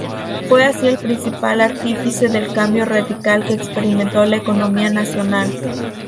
Fue así el principal artífice del cambio radical que experimentó la economía nacional.